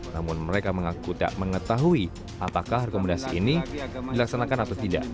namun mereka mengaku tak mengetahui apakah rekomendasi ini dilaksanakan atau tidak